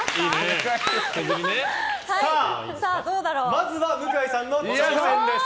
まずは向井さんの挑戦です。